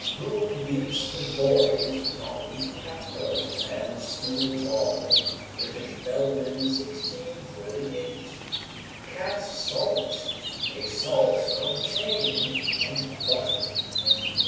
"Who beats the boys from cat pellet, and stool ball." British Bellman, 1648. Cat salt. A salt obtained from butter.